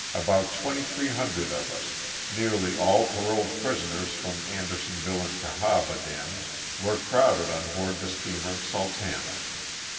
about 2,300 of us, nearly all paroled pris oners from Andersonville and Oahaba dens, were crowded on board the steamer '* Sultana."